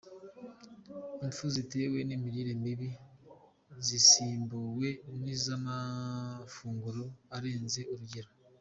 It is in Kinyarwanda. Impfu ziterwa n’imirire mibi zasimbuwe n’iz’amafunguro arenze urugero